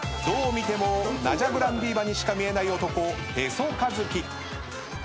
どう見てもナジャ・グランディーバにしか見えない男へそかずき。